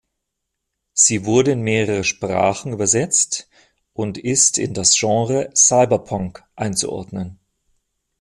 Sie wurde in mehrere Sprachen übersetzt und ist in das Genre Cyberpunk einzuordnen.